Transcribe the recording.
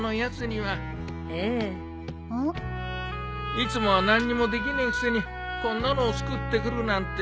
いつもは何にもできねえくせにこんなのを作ってくるなんてな。